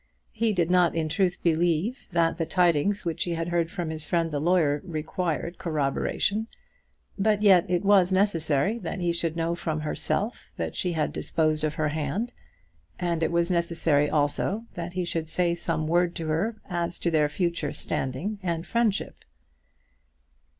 He did not in truth believe that the tidings which he had heard from his friend the lawyer required corroboration; but yet it was necessary that he should know from herself that she had disposed of her hand; and it was necessary also that he should say some word to her as to their future standing and friendship.